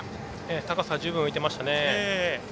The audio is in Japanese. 高さは十分浮いていましたね。